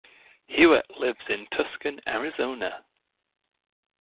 Hughart lives in Tucson, Arizona.